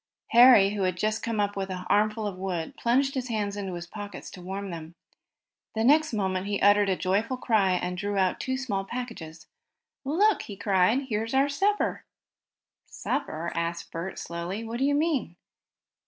Harry, who had just come up with an armful of wood, plunged his hands into his pockets to warm them. The next moment he uttered a joyful cry, and drew out two small packages. "Look!" he cried. "Here's our supper!" "Supper?" asked Bert, slowly. "What do you mean?"